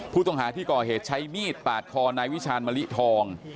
ผู้ต้องหาที่ก่อเหตุใช้มีดปาดคอนายวิชาณมะลิทอง